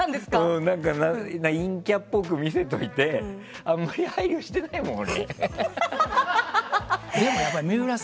陰キャっぽく見せといてあまり配慮してないもん、俺。